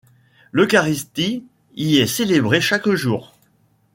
L'Eucharistie y est célébré chaque jour.